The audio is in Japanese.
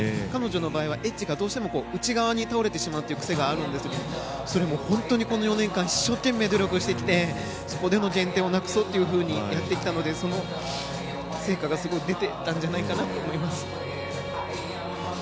彼女の場合は、エッジが内側に倒れてしまう癖があるんですがそれも本当に、この４年間一生懸命努力してきてそこでの減点をなくそうというふうにやってきたのでその成果がすごく出たんじゃないかなと思います。